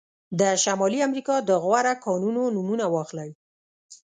د شمالي امریکا د غوره کانونه نومونه واخلئ.